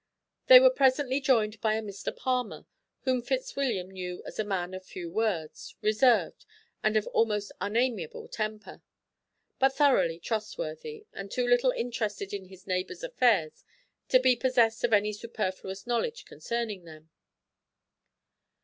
They were presently joined by a Mr. Palmer, whom Fitzwilliam knew as a man of few words, reserved, and of almost unamiable temper, but thoroughly trustworthy, and too little interested in his neighbours' affairs to be possessed of any superfluous knowledge concerning them.